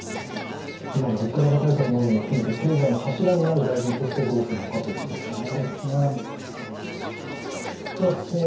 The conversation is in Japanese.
今の物価高対策なども含めて経済の柱になる大臣ポストをどうするのかということですね。